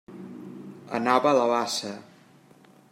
Anava a la bassa.